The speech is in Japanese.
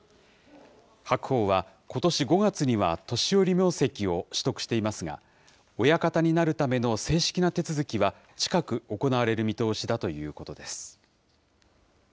白鵬はことし５月には年寄名跡を取得していますが、親方になるための正式な手続きは近く行われる見通しだということです。